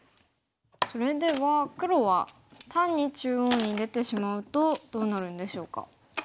それでは黒は単に中央に出てしまうとどうなるんでしょうか。